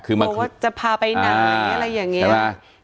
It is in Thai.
กลัวว่าจะพาไปนั้นอะไรอย่างนี้